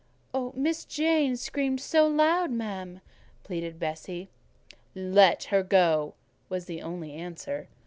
"Miss Jane screamed so loud, ma'am," pleaded Bessie. "Let her go," was the only answer.